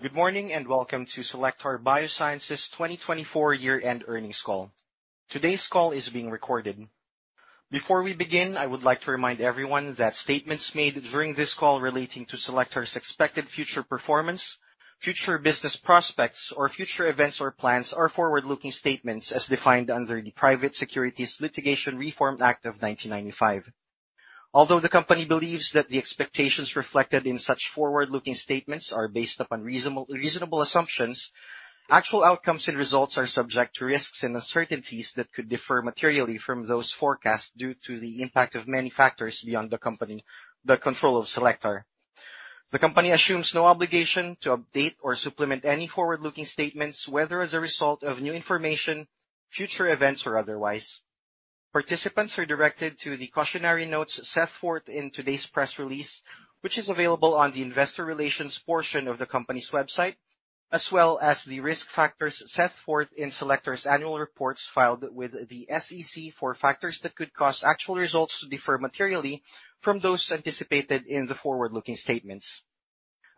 Good morning and welcome to Cellectar Biosciences' 2024 year-end earnings call. Today's call is being recorded. Before we begin, I would like to remind everyone that statements made during this call relating to Cellectar's expected future performance, future business prospects, or future events or plans are forward-looking statements as defined under the Private Securities Litigation Reform Act of 1995. Although the company believes that the expectations reflected in such forward-looking statements are based upon reasonable, reasonable assumptions, actual outcomes and results are subject to risks and uncertainties that could differ materially from those forecast due to the impact of many factors beyond the company, the control of Cellectar. The company assumes no obligation to update or supplement any forward-looking statements, whether as a result of new information, future events, or otherwise. Participants are directed to the cautionary notes set forth in today's press release, which is available on the investor relations portion of the company's website, as well as the risk factors set forth in Cellectar's annual reports filed with the SEC for factors that could cause actual results to differ materially from those anticipated in the forward-looking statements.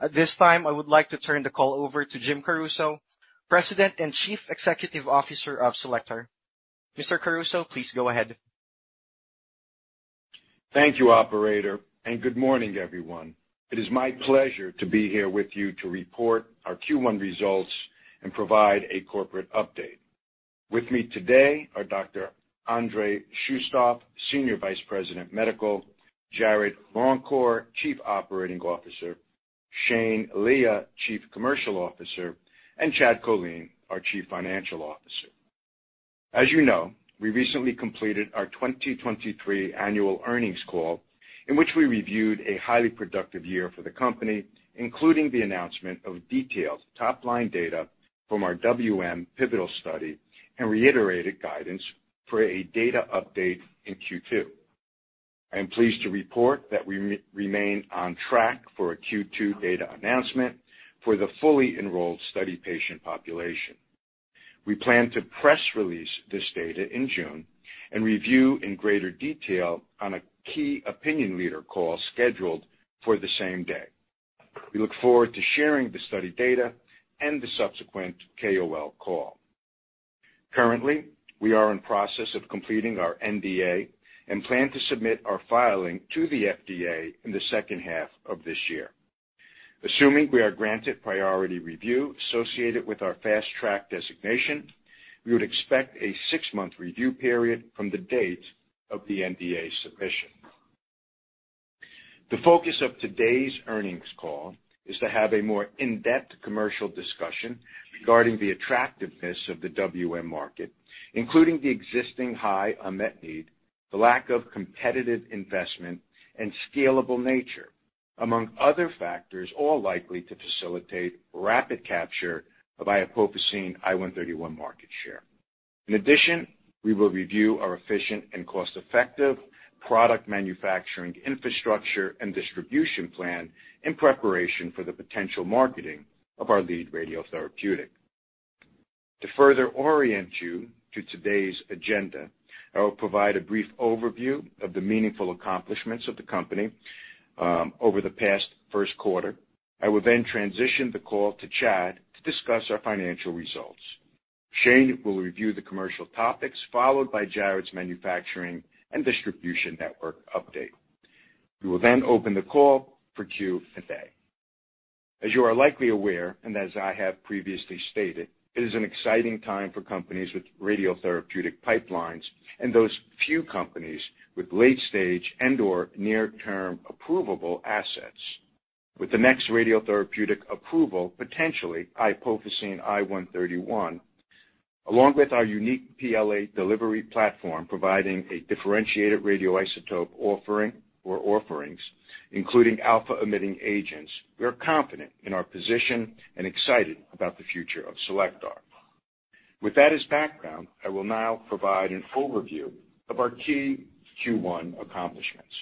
At this time, I would like to turn the call over to Jim Caruso, President and Chief Executive Officer of Cellectar. Mr. Caruso, please go ahead. Thank you, Operator, and good morning, everyone. It is my pleasure to be here with you to report our Q1 results and provide a corporate update. With me today are Dr. Andrei Shustov, Senior Vice President, Medical, Jarrod Longcor, Chief Operating Officer, Shane Lea, Chief Commercial Officer, and Chad Kolean, our Chief Financial Officer. As you know, we recently completed our 2023 annual earnings call in which we reviewed a highly productive year for the company, including the announcement of detailed top-line data from our WM Pivotal Study and reiterated guidance for a data update in Q2. I am pleased to report that we remain on track for a Q2 data announcement for the fully enrolled study patient population. We plan to press release this data in June and review in greater detail on a key opinion leader call scheduled for the same day. We look forward to sharing the study data and the subsequent KOL call. Currently, we are in the process of completing our NDA and plan to submit our filing to the FDA in the H2 of this year. Assuming we are granted priority review associated with our Fast Track designation, we would expect a 6-month review period from the date of the NDA submission. The focus of today's earnings call is to have a more in-depth commercial discussion regarding the attractiveness of the WM market, including the existing high unmet need, the lack of competitive investment, and scalable nature, among other factors all likely to facilitate rapid capture of iopofosine I 131 market share. In addition, we will review our efficient and cost-effective product manufacturing infrastructure and distribution plan in preparation for the potential marketing of our lead radiotherapeutic. To further orient you to today's agenda, I will provide a brief overview of the meaningful accomplishments of the company over the past Q1. I will then transition the call to Chad to discuss our financial results. Shane will review the commercial topics, followed by Jarrod's manufacturing and distribution network update. We will then open the call for Q&A today. As you are likely aware, and as I have previously stated, it is an exciting time for companies with radiotherapeutic pipelines and those few companies with late-stage and/or near-term approvable assets. With the next radiotherapeutic approval, potentially iopofosine I 131, along with our unique PLE delivery platform providing a differentiated radioisotope offering or offerings, including alpha-emitting agents, we are confident in our position and excited about the future of Cellectar. With that as background, I will now provide an overview of our key Q1 accomplishments.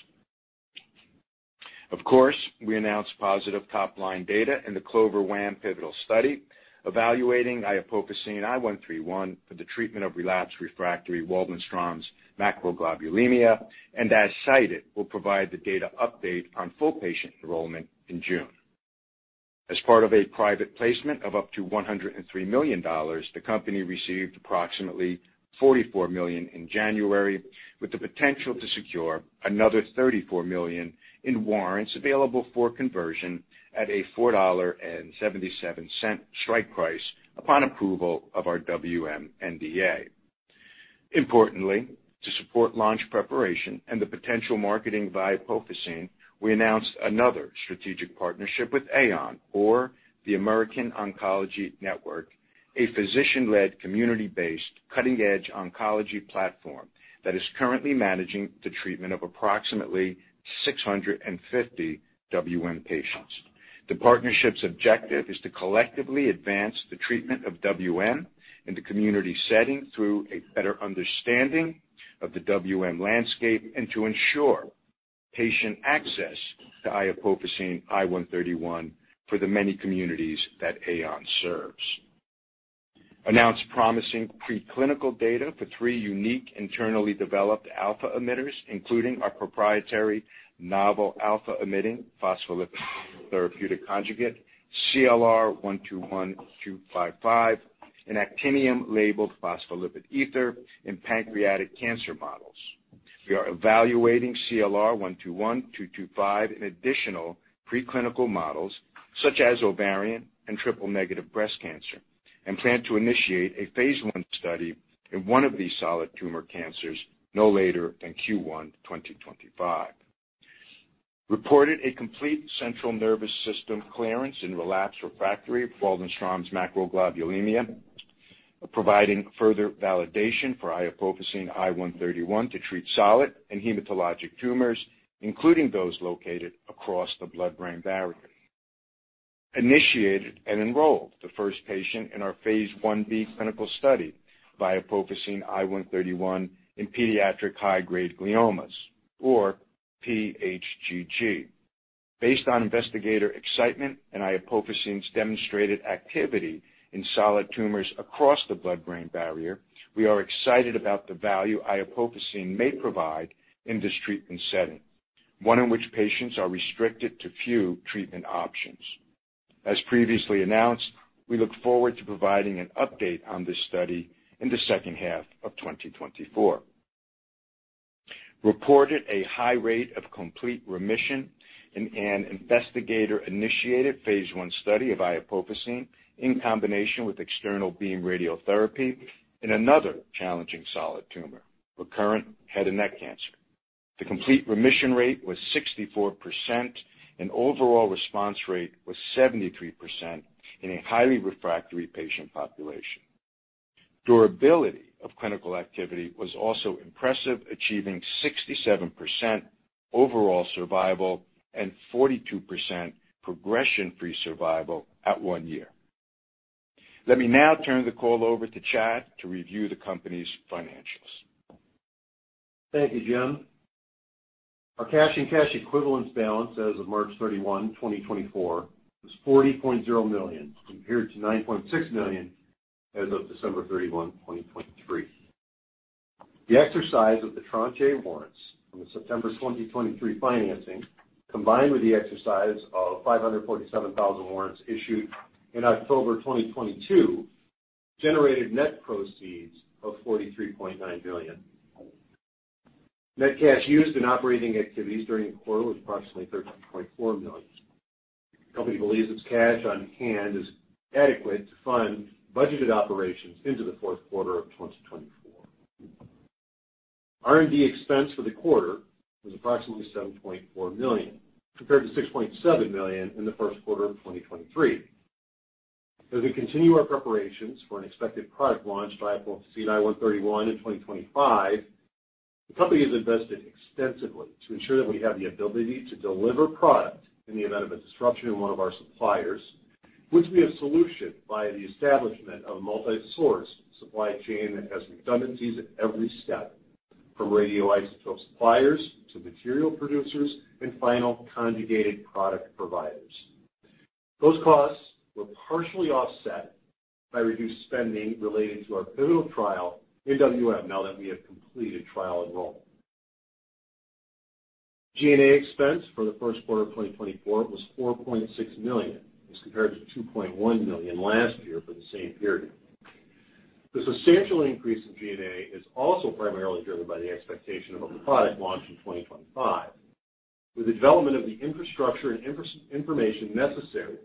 Of course, we announced positive top-line data in the CLOVER-WaM Pivotal Study evaluating iopofosine I 131 for the treatment of relapsed/refractory Waldenstrom's macroglobulinemia, and as cited, will provide the data update on full patient enrollment in June. As part of a private placement of up to $103 million, the company received approximately $44 million in January, with the potential to secure another $34 million in warrants available for conversion at a $4.77 strike price upon approval of our WM NDA. Importantly, to support launch preparation and the potential marketing of iopofosine, we announced another strategic partnership with AON, or the American Oncology Network, a physician-led, community-based, cutting-edge oncology platform that is currently managing the treatment of approximately 650 WM patients. The partnership's objective is to collectively advance the treatment of WM in the community setting through a better understanding of the WM landscape and to ensure patient access to iopofosine I 131 for the many communities that AON serves. Announced promising preclinical data for three unique internally developed alpha emitters, including our proprietary novel alpha-emitting phospholipid therapeutic conjugate, CLR 121225, and actinium-labeled phospholipid ether in pancreatic cancer models. We are evaluating CLR 121225 in additional preclinical models such as ovarian and triple-negative breast cancer, and plan to initiate a phase I study in one of these solid tumor cancers no later than Q1 2025. Reported a complete central nervous system clearance in relapsed/refractory Waldenstrom's macroglobulinemia, providing further validation for iopofosine I 131 to treat solid and hematologic tumors, including those located across the blood-brain barrier. Initiated and enrolled the first patient in our phase 1b clinical study, iopofosine I 131 in pediatric high-grade gliomas, or pHGG. Based on investigator excitement and iopofosine's demonstrated activity in solid tumors across the blood-brain barrier, we are excited about the value iopofosine may provide in this treatment setting, one in which patients are restricted to few treatment options. As previously announced, we look forward to providing an update on this study in the H2 of 2024. Reported a high rate of complete remission in an investigator-initiated phase 1 study of iopofosine in combination with external beam radiotherapy in another challenging solid tumor, recurrent head and neck cancer. The complete remission rate was 64%, and overall response rate was 73% in a highly refractory patient population. Durability of clinical activity was also impressive, achieving 67% overall survival and 42% progression-free survival at one year. Let me now turn the call over to Chad to review the company's financials. Thank you, Jim. Our cash and cash equivalents balance as of March 31, 2024, was $40.0 million compared to $9.6 million as of December 31, 2023. The exercise of the tranche warrants from the September 2023 financing, combined with the exercise of $547,000 warrants issued in October 2022, generated net proceeds of $43.9 million. Net cash used in operating activities during the quarter was approximately $13.4 million. The company believes its cash on hand is adequate to fund budgeted operations into the Q4 of 2024. R&D expense for the quarter was approximately $7.4 million compared to $6.7 million in the Q1 of 2023. As we continue our preparations for an expected product launch of iopofosine I 131 in 2025, the company has invested extensively to ensure that we have the ability to deliver product in the event of a disruption in one of our suppliers, which we have solutioned via the establishment of a multi-sourced supply chain that has redundancies at every step, from radioisotope suppliers to material producers and final conjugated product providers. Those costs were partially offset by reduced spending related to our pivotal trial in WM now that we have completed trial enrollment. G&A expense for the Q1 of 2024 was $4.6 million as compared to $2.1 million last year for the same period. The substantial increase in G&A is also primarily driven by the expectation of a product launch in 2025, with the development of the infrastructure and information necessary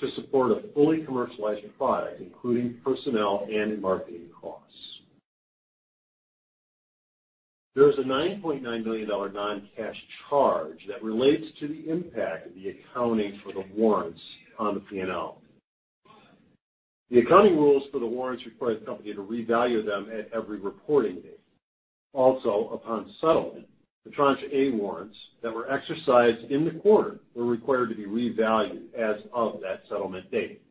to support a fully commercialized product, including personnel and marketing costs. There is a $9.9 million non-cash charge that relates to the impact of the accounting for the warrants on the P&L. The accounting rules for the warrants require the company to revalue them at every reporting date. Also, upon settlement, the tranche A warrants that were exercised in the quarter were required to be revalued as of that settlement date.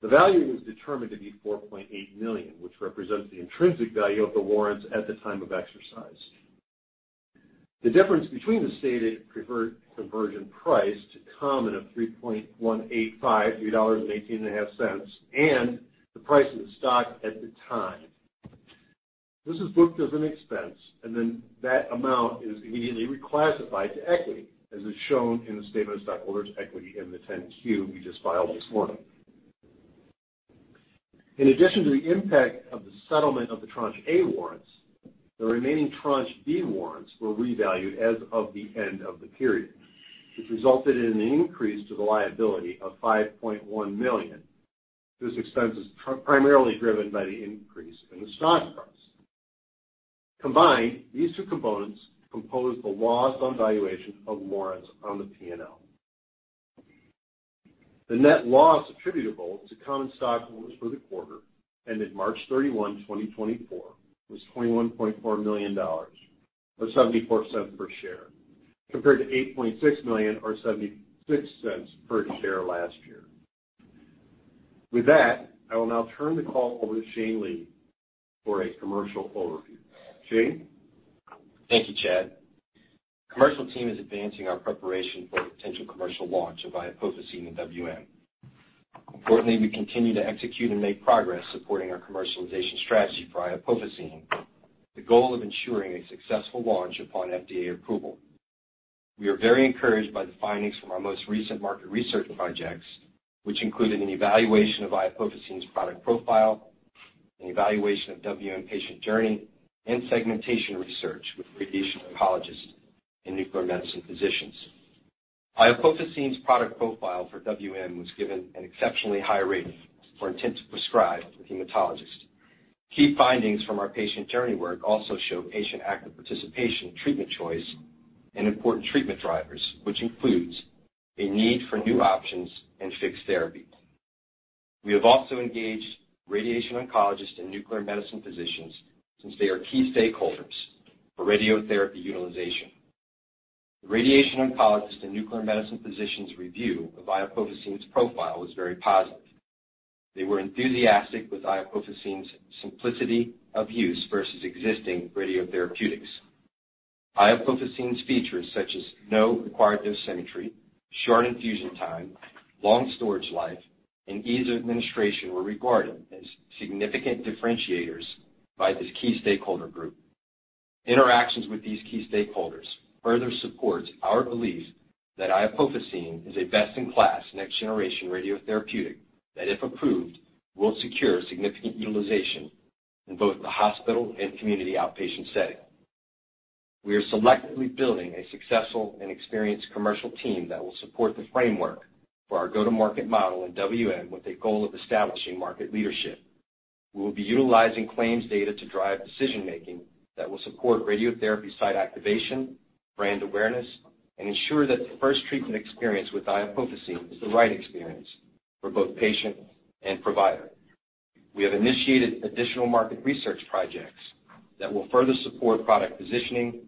The value was determined to be $4.8 million, which represents the intrinsic value of the warrants at the time of exercise. The difference between the stated preferred conversion price to common of $3.185, $3.18, and 0.5 cents, and the price of the stock at the time. This is booked as an expense, and then that amount is immediately reclassified to equity, as is shown in the statement of stockholders' equity in the 10-Q we just filed this morning. In addition to the impact of the settlement of the tranche A warrants, the remaining tranche B warrants were revalued as of the end of the period, which resulted in an increase to the liability of $5.1 million. This expense is primarily driven by the increase in the stock price. Combined, these two components compose the loss on valuation of warrants on the P&L. The net loss attributable to common stockholders for the quarter ended March 31, 2024, was $21.4 million or $0.74 per share, compared to $8.6 million or $0.76 per share last year. With that, I will now turn the call over to Shane Lea for a commercial overview. Shane? Thank you, Chad. The commercial team is advancing our preparation for the potential commercial launch of iopofosine in WM. Importantly, we continue to execute and make progress supporting our commercialization strategy for iopofosine, the goal of ensuring a successful launch upon FDA approval. We are very encouraged by the findings from our most recent market research projects, which included an evaluation of iopofosine's product profile, an evaluation of WM patient journey, and segmentation research with radiation oncologists and nuclear medicine physicians. Iopofosine's product profile for WM was given an exceptionally high rating for intent to prescribe with hematologists. Key findings from our patient journey work also show patient active participation, treatment choice, and important treatment drivers, which includes a need for new options and fixed therapy. We have also engaged radiation oncologists and nuclear medicine physicians since they are key stakeholders for radiotherapy utilization. The radiation oncologists and nuclear medicine physicians' review of iopofosine I 131's profile was very positive. They were enthusiastic with iopofosine I 131's simplicity of use versus existing radiotherapeutics. Iopofosine I 131's features such as no required dosimetry, short infusion time, long storage life, and ease of administration were regarded as significant differentiators by this key stakeholder group. Interactions with these key stakeholders further support our belief that iopofosine I 131 is a best-in-class next-generation radiotherapeutic that, if approved, will secure significant utilization in both the hospital and community outpatient setting. We are selectively building a successful and experienced commercial team that will support the framework for our go-to-market model in WM with a goal of establishing market leadership. We will be utilizing claims data to drive decision-making that will support radiotherapy site activation, brand awareness, and ensure that the first treatment experience with iopofosine I 131 is the right experience for both patient and provider. We have initiated additional market research projects that will further support product positioning,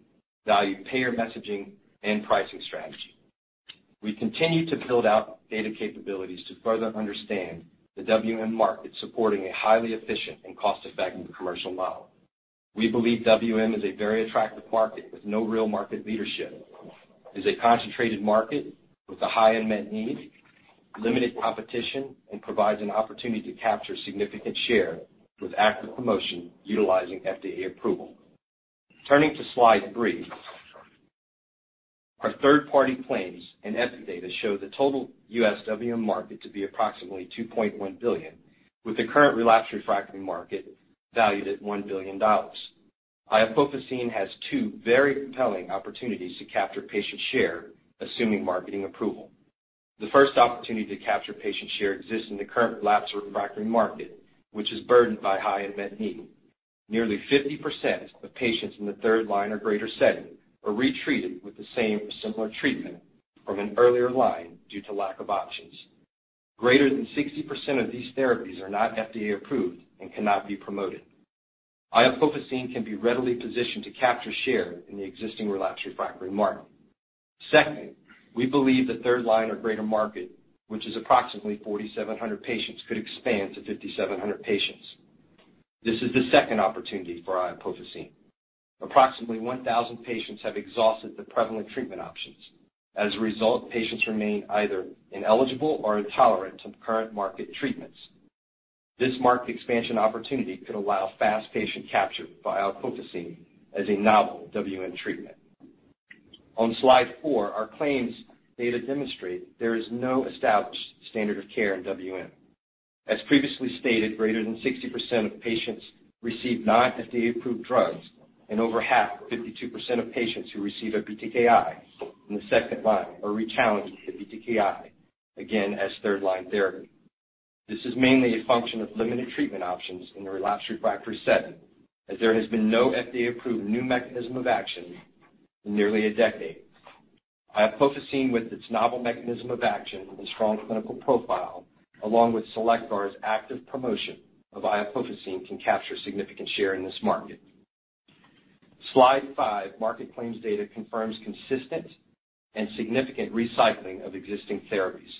value payer messaging, and pricing strategy. We continue to build out data capabilities to further understand the WM market supporting a highly efficient and cost-effective commercial model. We believe WM is a very attractive market with no real market leadership, is a concentrated market with a high unmet need, limited competition, and provides an opportunity to capture significant share with active promotion utilizing FDA approval. Turning to slide three, our third-party claims and FDA data show the total U.S. WM market to be approximately $2.1 billion, with the current relapsed refractory market valued at $1 billion. iopofosine has two very compelling opportunities to capture patient share, assuming marketing approval. The first opportunity to capture patient share exists in the current relapsed refractory market, which is burdened by high unmet need. Nearly 50% of patients in the third line or greater setting are retreated with the same or similar treatment from an earlier line due to lack of options. Greater than 60% of these therapies are not FDA approved and cannot be promoted. Iopofosine can be readily positioned to capture share in the existing relapsed refractory market. Second, we believe the third line or greater market, which is approximately 4,700 patients, could expand to 5,700 patients. This is the second opportunity for iopofosine. Approximately 1,000 patients have exhausted the prevalent treatment options. As a result, patients remain either ineligible or intolerant to current market treatments. This market expansion opportunity could allow fast patient capture by iopofosine as a novel WM treatment. On slide four, our claims data demonstrate there is no established standard of care in WM. As previously stated, greater than 60% of patients receive non-FDA-approved drugs, and over half, 52% of patients who receive a BTKI in the second line are rechallenged to BTKI, again as third-line therapy. This is mainly a function of limited treatment options in the relapsed refractory setting, as there has been no FDA-approved new mechanism of action in nearly a decade. Iopofosine, with its novel mechanism of action and strong clinical profile, along with Cellectar's active promotion of iopofosine, can capture significant share in this market. Slide 5, market claims data confirms consistent and significant recycling of existing therapies.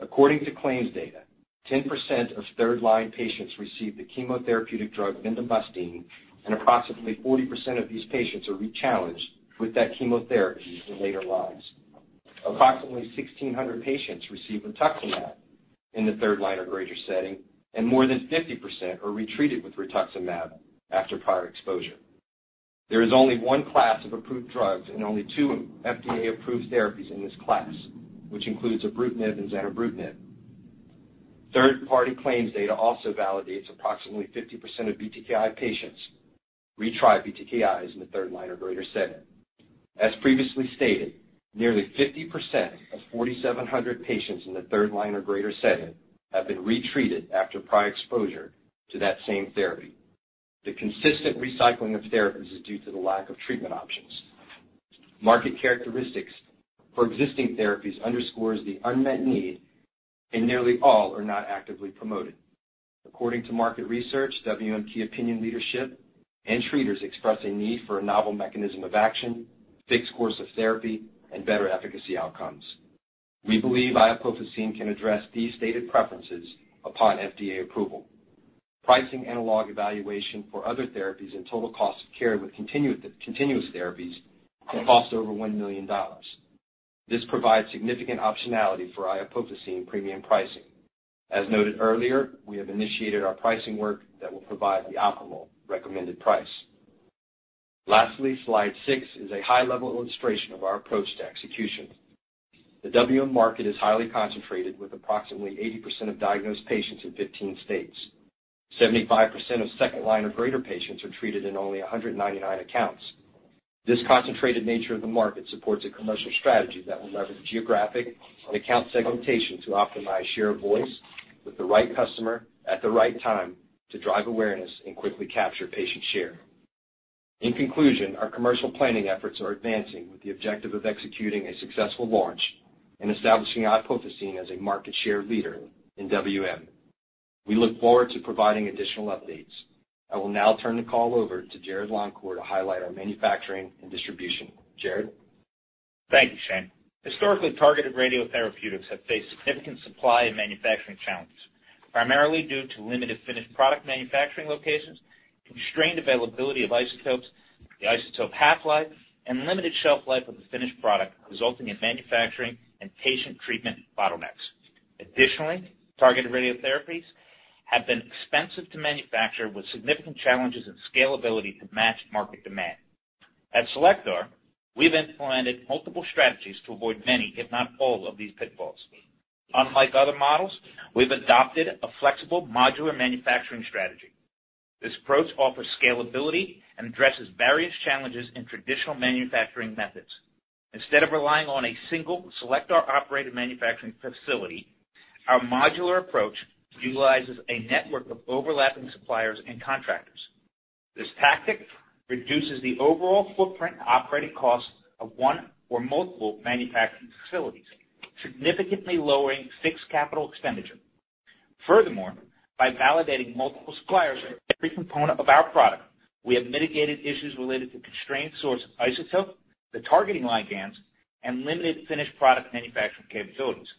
According to claims data, 10% of third-line patients receive the chemotherapeutic drug bendamustine, and approximately 40% of these patients are rechallenged with that chemotherapy in later lines. Approximately 1,600 patients receive rituximab in the third line or greater setting, and more than 50% are retreated with rituximab after prior exposure. There is only one class of approved drugs and only two FDA-approved therapies in this class, which includes ibrutinib and zanubrutinib. Third-party claims data also validates approximately 50% of BTKI patients retry BTKIs in the third line or greater setting. As previously stated, nearly 50% of 4,700 patients in the third line or greater setting have been retreated after prior exposure to that same therapy. The consistent recycling of therapies is due to the lack of treatment options. Market characteristics for existing therapies underscore the unmet need, and nearly all are not actively promoted. According to market research, WM key opinion leadership and treaters express a need for a novel mechanism of action, fixed course of therapy, and better efficacy outcomes. We believe iopofosine can address these stated preferences upon FDA approval. Pricing analog evaluation for other therapies and total cost of care with continuous therapies can cost over $1 million. This provides significant optionality for iopofosine premium pricing. As noted earlier, we have initiated our pricing work that will provide the optimal recommended price. Lastly, Slide 6 is a high-level illustration of our approach to execution. The WM market is highly concentrated, with approximately 80% of diagnosed patients in 15 states. 75% of second line or greater patients are treated in only 199 accounts. This concentrated nature of the market supports a commercial strategy that will leverage geographic and account segmentation to optimize share of voice with the right customer at the right time to drive awareness and quickly capture patient share. In conclusion, our commercial planning efforts are advancing with the objective of executing a successful launch and establishing iopofosine as a market share leader in WM. We look forward to providing additional updates. I will now turn the call over to Jarrod Longcor to highlight our manufacturing and distribution. Jarrod? Thank you, Shane. Historically, targeted radiotherapeutics have faced significant supply and manufacturing challenges, primarily due to limited finished product manufacturing locations, constrained availability of isotopes, the isotope half-life, and limited shelf life of the finished product, resulting in manufacturing and patient treatment bottlenecks. Additionally, targeted radiotherapies have been expensive to manufacture with significant challenges in scalability to match market demand. At Cellectar, we've implemented multiple strategies to avoid many, if not all, of these pitfalls. Unlike other models, we've adopted a flexible modular manufacturing strategy. This approach offers scalability and addresses various challenges in traditional manufacturing methods. Instead of relying on a single Cellectar-operated manufacturing facility, our modular approach utilizes a network of overlapping suppliers and contractors. This tactic reduces the overall footprint and operating costs of one or multiple manufacturing facilities, significantly lowering fixed capital expenditure. Furthermore, by validating multiple suppliers for every component of our product, we have mitigated issues related to constrained source of isotopes, the targeting ligands, and limited finished product manufacturing capabilities.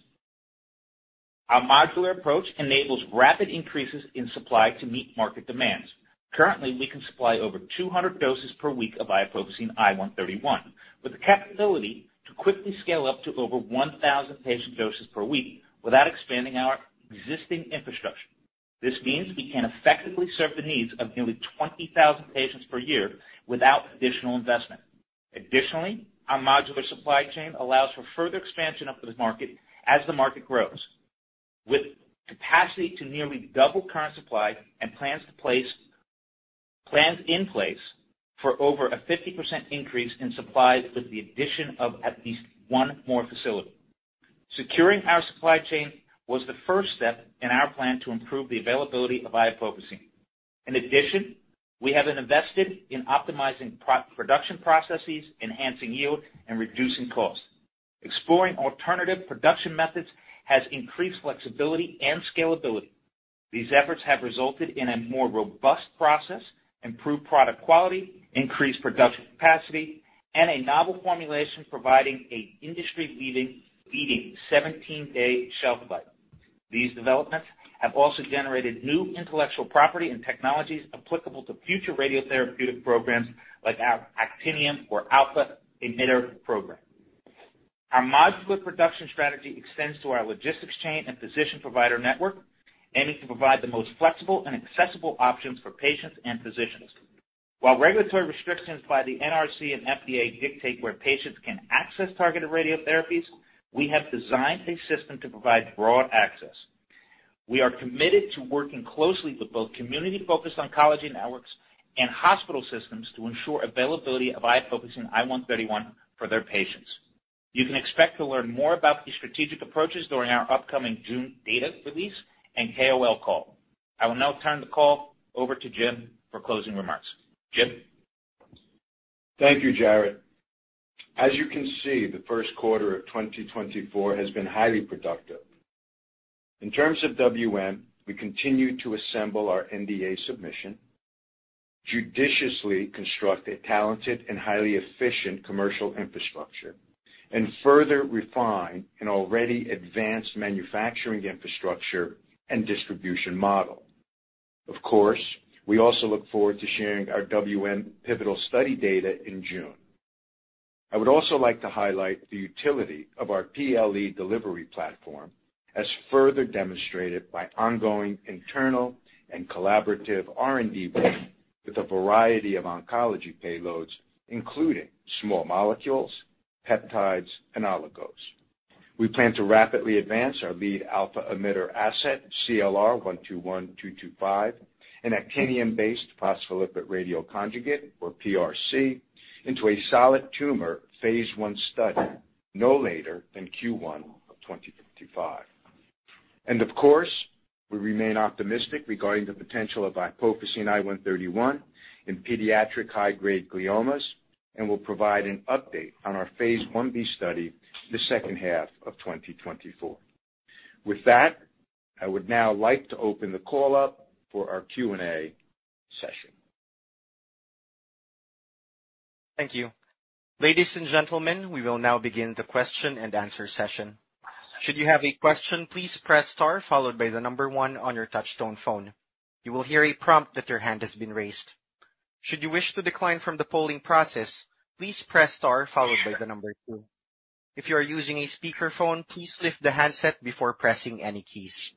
Our modular approach enables rapid increases in supply to meet market demands. Currently, we can supply over 200 doses per week of iopofosine I 131, with the capability to quickly scale up to over 1,000 patient doses per week without expanding our existing infrastructure. This means we can effectively serve the needs of nearly 20,000 patients per year without additional investment. Additionally, our modular supply chain allows for further expansion of this market as the market grows, with capacity to nearly double current supply and plans in place for over a 50% increase in supply with the addition of at least one more facility. Securing our supply chain was the first step in our plan to improve the availability of iopofosine. In addition, we have invested in optimizing production processes, enhancing yield, and reducing costs. Exploring alternative production methods has increased flexibility and scalability. These efforts have resulted in a more robust process, improved product quality, increased production capacity, and a novel formulation providing an industry-leading 17-day shelf life. These developments have also generated new intellectual property and technologies applicable to future radiotherapeutic programs like our Actinium or Alpha Emitter program. Our modular production strategy extends to our logistics chain and physician provider network, aiming to provide the most flexible and accessible options for patients and physicians. While regulatory restrictions by the NRC and FDA dictate where patients can access targeted radiotherapies, we have designed a system to provide broad access. We are committed to working closely with both community-focused oncology networks and hospital systems to ensure availability of iopofosine I 131 for their patients. You can expect to learn more about these strategic approaches during our upcoming June data release and KOL call. I will now turn the call over to Jim for closing remarks. Jim? Thank you, Jarrod. As you can see, the Q1 of 2024 has been highly productive. In terms of WM, we continue to assemble our NDA submission, judiciously construct a talented and highly efficient commercial infrastructure, and further refine an already advanced manufacturing infrastructure and distribution model. Of course, we also look forward to sharing our WM pivotal study data in June. I would also like to highlight the utility of our PLE delivery platform, as further demonstrated by ongoing internal and collaborative R&D work with a variety of oncology payloads, including small molecules, peptides, and oligos. We plan to rapidly advance our lead alpha emitter asset, CLR 121225, and actinium-based phospholipid radioconjugate, or PRC, into a solid tumor phase I study no later than Q1 of 2025. Of course, we remain optimistic regarding the potential of iopofosine I 131 in pediatric high-grade gliomas and will provide an update on our phase 1b study the H2 of 2024. With that, I would now like to open the call up for our Q&A session. Thank you. Ladies and gentlemen, we will now begin the question and answer session. Should you have a question, please press star followed by the number 1 on your touchtone phone. You will hear a prompt that your hand has been raised. Should you wish to decline from the polling process, please press star followed by the number 2. If you are using a speakerphone, please lift the handset before pressing any keys.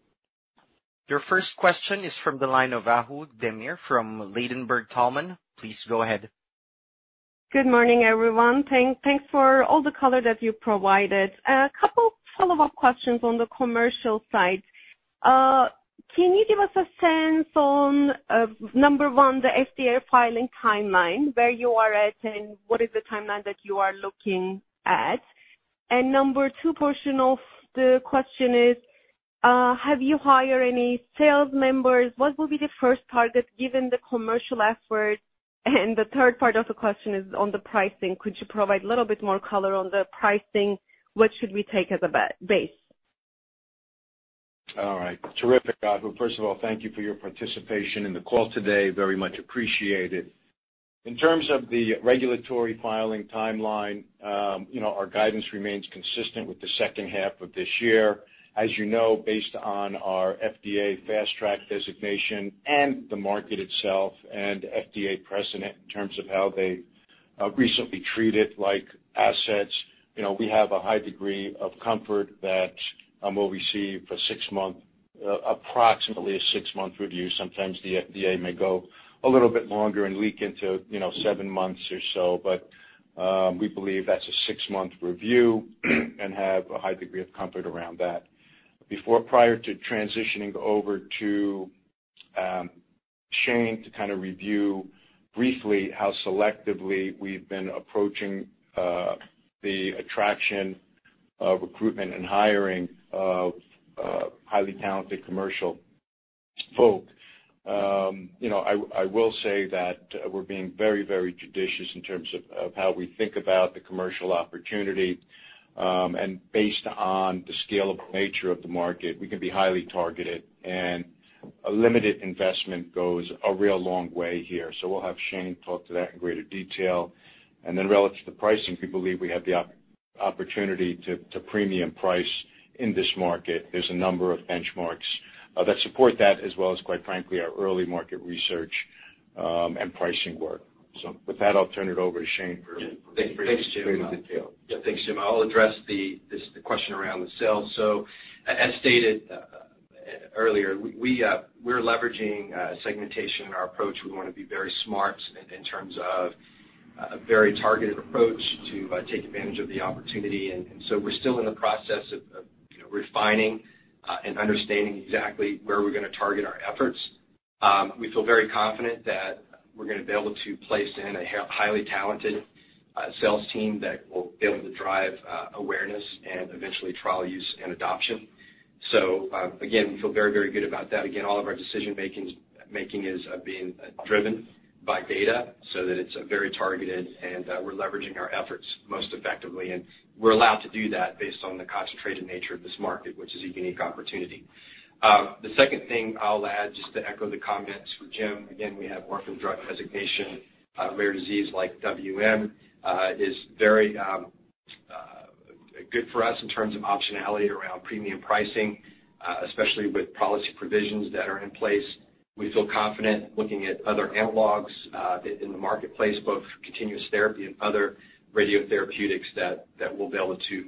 Your first question is from the line of Ahu Demir from Ladenburg Thalmann. Please go ahead. Good morning, everyone. Thanks for all the color that you provided. A couple of follow-up questions on the commercial side. Can you give us a sense on, number one, the FDA filing timeline, where you are at, and what is the timeline that you are looking at? And number two, portion of the question is, have you hired any sales members? What will be the first target given the commercial effort? And the third part of the question is on the pricing. Could you provide a little bit more color on the pricing? What should we take as a base? All right. Terrific, Ahu. First of all, thank you for your participation in the call today. Very much appreciated. In terms of the regulatory filing timeline, our guidance remains consistent with the H2 of this year. As you know, based on our FDA Fast Track designation and the market itself and FDA precedent in terms of how they recently treated assets, we have a high degree of comfort that we'll receive approximately a 6-month review. Sometimes the FDA may go a little bit longer and leak into 7 months or so, but we believe that's a 6-month review and have a high degree of comfort around that. Prior to transitioning over to Shane to kind of review briefly how selectively we've been approaching the attraction, recruitment, and hiring of highly talented commercial folk, I will say that we're being very, very judicious in terms of how we think about the commercial opportunity. Based on the scalable nature of the market, we can be highly targeted, and limited investment goes a real long way here. So we'll have Shane talk to that in greater detail. Then relative to pricing, we believe we have the opportunity to premium price in this market. There's a number of benchmarks that support that, as well as quite frankly, our early market research and pricing work. So with that, I'll turn it over to Shane for. Yeah. Thanks, Jim. Thanks, Jim. I'll address the question around the sales. So as stated earlier, we're leveraging segmentation in our approach. We want to be very smart in terms of a very targeted approach to take advantage of the opportunity. And so we're still in the process of refining and understanding exactly where we're going to target our efforts. We feel very confident that we're going to be able to place in a highly talented sales team that will be able to drive awareness and eventually trial use and adoption. So again, we feel very, very good about that. Again, all of our decision-making is being driven by data so that it's very targeted, and we're leveraging our efforts most effectively. And we're allowed to do that based on the concentrated nature of this market, which is a unique opportunity. The second thing I'll add, just to echo the comments from Jim, again, we have orphan drug designation. Rare disease like WM is very good for us in terms of optionality around premium pricing, especially with policy provisions that are in place. We feel confident looking at other analogs in the marketplace, both continuous therapy and other radiotherapeutics, that we'll be able to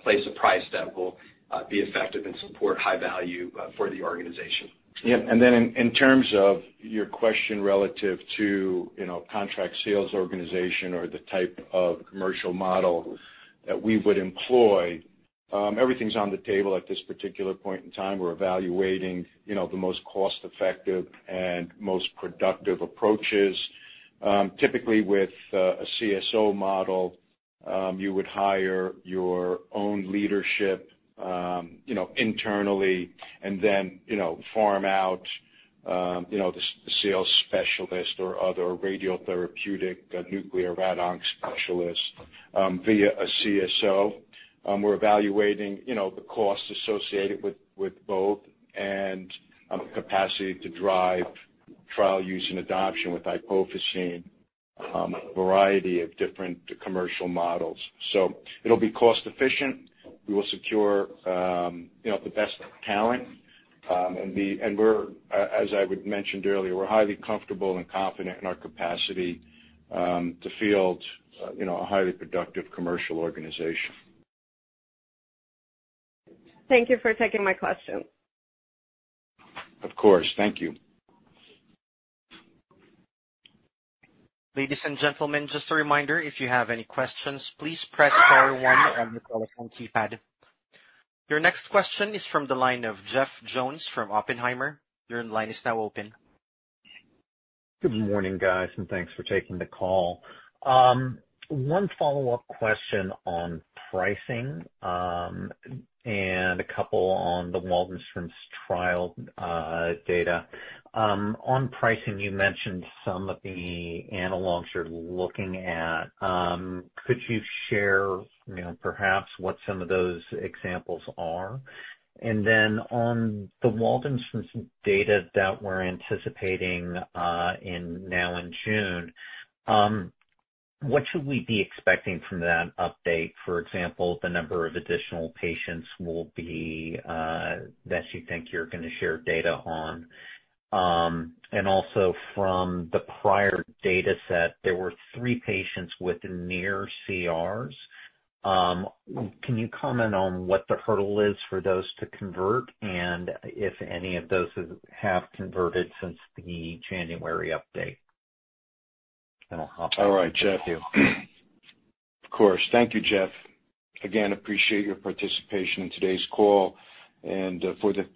place a price that will be effective and support high value for the organization. Yeah. And then in terms of your question relative to contract sales organization or the type of commercial model that we would employ, everything's on the table at this particular point in time. We're evaluating the most cost-effective and most productive approaches. Typically, with a CSO model, you would hire your own leadership internally and then farm out the sales specialist or other radiotherapeutic nuclear RadOnc specialist via a CSO. We're evaluating the cost associated with both and the capacity to drive trial use and adoption with iopofosine, a variety of different commercial models. So it'll be cost-efficient. We will secure the best talent. And as I mentioned earlier, we're highly comfortable and confident in our capacity to field a highly productive commercial organization. Thank you for taking my question. Of course. Thank you. Ladies and gentlemen, just a reminder, if you have any questions, please press star one on the telephone keypad. Your next question is from the line of Jeff Jones from Oppenheimer. Your line is now open. Good morning, guys, and thanks for taking the call. One follow-up question on pricing and a couple on the Waldenstrom's trial data. On pricing, you mentioned some of the analogs you're looking at. Could you share, perhaps, what some of those examples are? And then on the Waldenstrom's data that we're anticipating now in June, what should we be expecting from that update? For example, the number of additional patients that you think you're going to share data on. And also from the prior dataset, there were three patients with near CRs. Can you comment on what the hurdle is for those to convert and if any of those have converted since the January update? And I'll hop back to you. All right, Jeff. Of course. Thank you, Jeff. Again, appreciate your participation in today's call and for the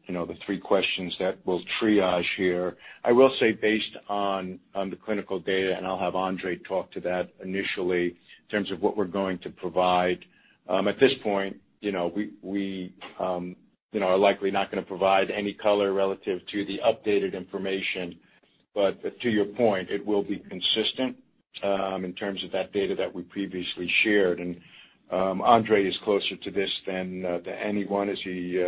three questions that we'll triage here. I will say based on the clinical data, and I'll have Andrei talk to that initially, in terms of what we're going to provide. At this point, we are likely not going to provide any color relative to the updated information. But to your point, it will be consistent in terms of that data that we previously shared. And Andrei is closer to this than anyone as he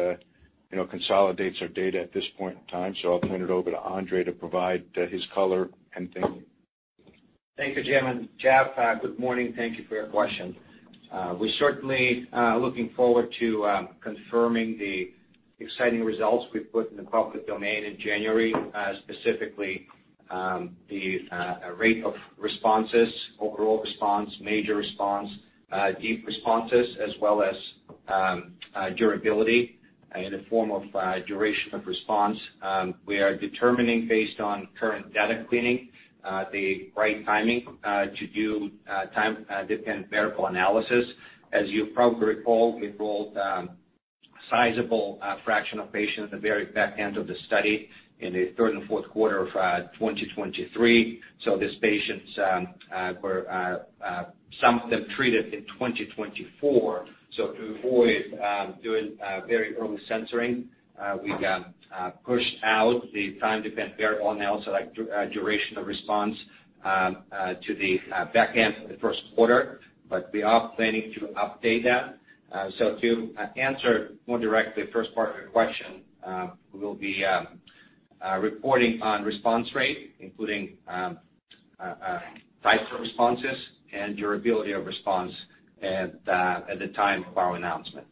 consolidates our data at this point in time. So I'll turn it over to Andrei to provide his color and thinking. Thank you, Jim. Jeff, good morning. Thank you for your question. We're certainly looking forward to confirming the exciting results we've put in the public domain in January, specifically the rate of responses, overall response, major response, deep responses, as well as durability in the form of duration of response. We are determining based on current data cleaning the right timing to do time-dependent medical analysis. As you probably recall, we enrolled a sizable fraction of patients at the very back end of the study in the third and Q4 of 2023. So these patients, some of them treated in 2024. So to avoid doing very early censoring, we pushed out the time-dependent variable analysis, like duration of response, to the back end of the Q1. We are planning to update that. To answer more directly, the first part of your question, we will be reporting on response rate, including types of responses and durability of response at the time of our announcement.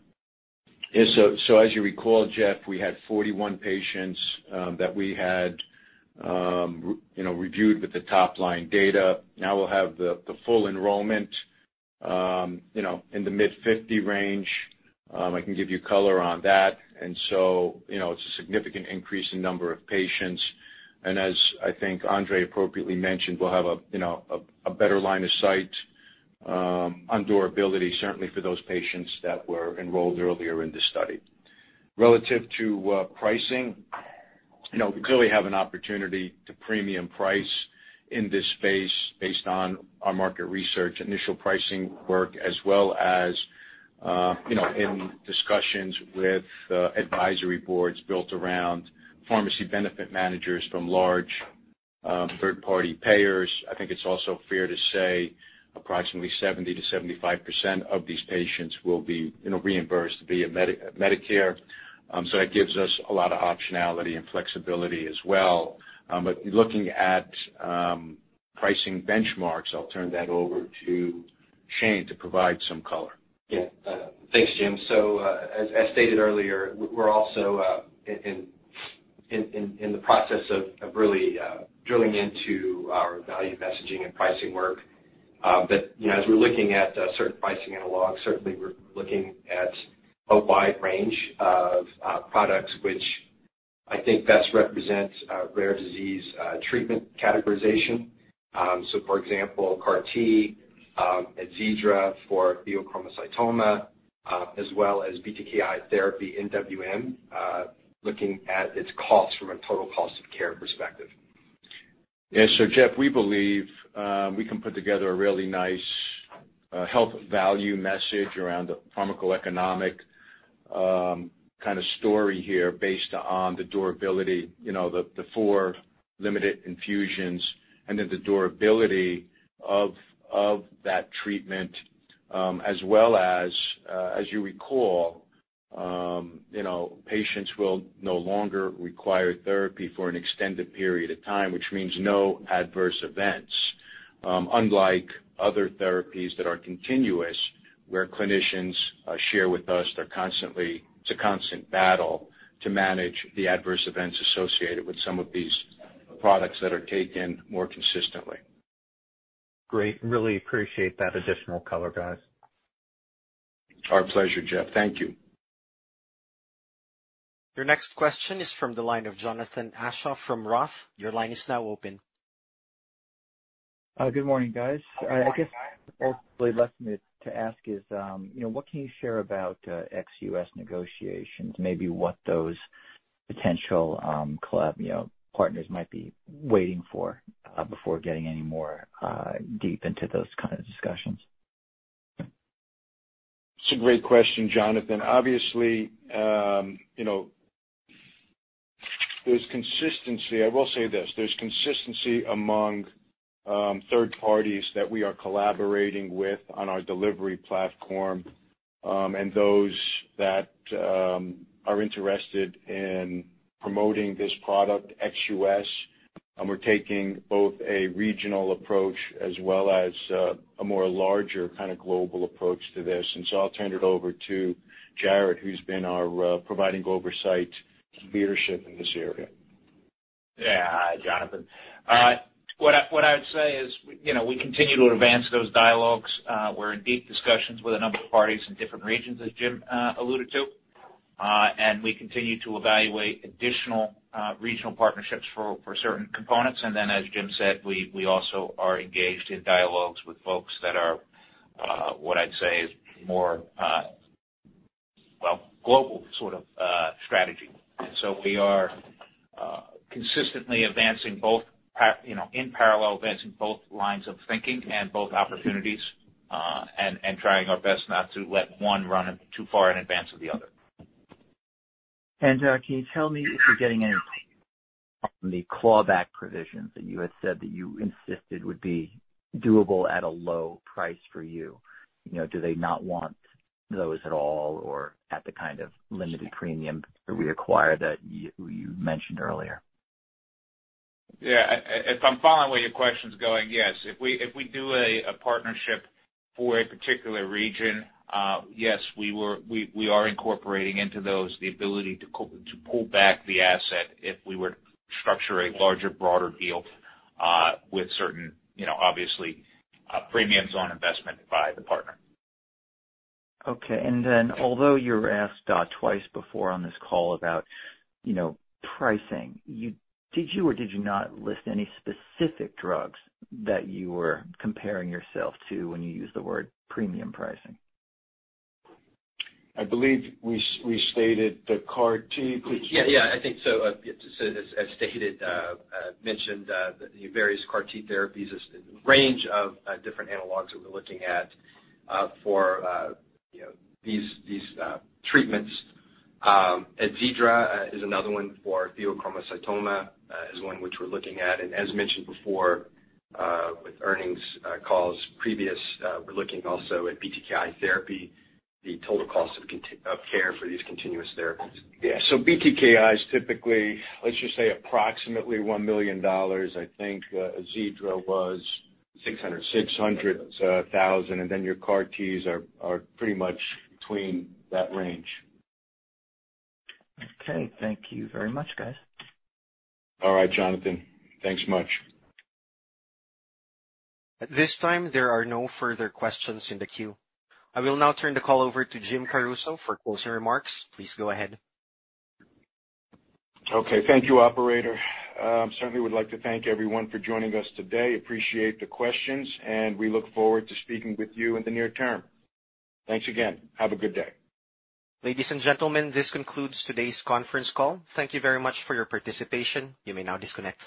Yeah. So as you recall, Jeff, we had 41 patients that we had reviewed with the top-line data. Now we'll have the full enrollment in the mid-50 range. I can give you color on that. And so it's a significant increase in number of patients. And as I think Andrei appropriately mentioned, we'll have a better line of sight on durability, certainly for those patients that were enrolled earlier in the study. Relative to pricing, we clearly have an opportunity to premium price in this space based on our market research, initial pricing work, as well as in discussions with advisory boards built around pharmacy benefit managers from large third-party payers. I think it's also fair to say approximately 70%-75% of these patients will be reimbursed via Medicare. So that gives us a lot of optionality and flexibility as well. Looking at pricing benchmarks, I'll turn that over to Shane to provide some color. Yeah. Thanks, Jim. So as stated earlier, we're also in the process of really drilling into our value messaging and pricing work. But as we're looking at certain pricing analogs, certainly we're looking at a wide range of products, which I think best represents rare disease treatment categorization. So for example, CAR-T, AZEDRA for pheochromocytoma, as well as BTKI therapy in WM, looking at its cost from a total cost of care perspective. Yeah. So Jeff, we believe we can put together a really nice health value message around the pharmacoeconomic kind of story here based on the durability, the 4 limited infusions, and then the durability of that treatment, as well as, as you recall, patients will no longer require therapy for an extended period of time, which means no adverse events. Unlike other therapies that are continuous, where clinicians share with us, it's a constant battle to manage the adverse events associated with some of these products that are taken more consistently. Great. Really appreciate that additional color, guys. Our pleasure, Jeff. Thank you. Your next question is from the line of Jonathan Aschoff from Roth. Your line is now open. Good morning, guys. I guess ultimately left me to ask is, what can you share about ex-US negotiations? Maybe what those potential partners might be waiting for before getting any more deep into those kind of discussions? That's a great question, Jonathan. Obviously, there's consistency. I will say this. There's consistency among third parties that we are collaborating with on our delivery platform and those that are interested in promoting this product, ex-U.S. We're taking both a regional approach as well as a more larger kind of global approach to this. And so I'll turn it over to Jarrod, who's been providing oversight leadership in this area. Yeah, Jonathan. What I would say is we continue to advance those dialogues. We're in deep discussions with a number of parties in different regions, as Jim alluded to. And we continue to evaluate additional regional partnerships for certain components. And then, as Jim said, we also are engaged in dialogues with folks that are, what I'd say, more global sort of strategy. And so we are consistently advancing both in parallel, advancing both lines of thinking and both opportunities and trying our best not to let one run too far in advance of the other. Can you tell me if you're getting anything from the clawback provisions that you had said that you insisted would be doable at a low price for you? Do they not want those at all or at the kind of limited premium that we acquire that you mentioned earlier? Yeah. If I'm following where your question's going, yes. If we do a partnership for a particular region, yes, we are incorporating into those the ability to pull back the asset if we were to structure a larger, broader deal with certain, obviously, premiums on investment by the partner. Okay. And then although you were asked twice before on this call about pricing, did you or did you not list any specific drugs that you were comparing yourself to when you used the word premium pricing? I believe we stated the CAR-T. Yeah. Yeah. I think so. As stated, mentioned the various CAR-T therapies, a range of different analogs that we're looking at for these treatments. AZEDRA is another one. For pheochromocytoma is one which we're looking at. And as mentioned before with earnings calls previous, we're looking also at BTKI therapy, the total cost of care for these continuous therapies. Yeah. So BTKi is typically, let's just say, approximately $1 million. I think AZEDRA was $600,000. And then your CAR-Ts are pretty much between that range. Okay. Thank you very much, guys. All right, Jonathan. Thanks much. At this time, there are no further questions in the queue. I will now turn the call over to Jim Caruso for closing remarks. Please go ahead. Okay. Thank you, operator. Certainly, would like to thank everyone for joining us today. Appreciate the questions, and we look forward to speaking with you in the near term. Thanks again. Have a good day. Ladies and gentlemen, this concludes today's conference call. Thank you very much for your participation. You may now disconnect.